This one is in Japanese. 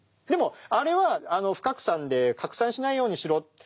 でもあれは不拡散で拡散しないようにしろ。